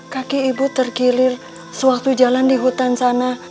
kaki ibu tergilir sewaktu jalan di hutan sana